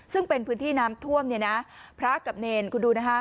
ซึ่งเป็นพื้นที่น้ำท่วมเนี่ยนะพระกับเนรคุณดูนะคะ